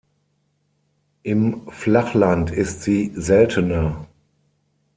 Im Flachland ist sie seltener.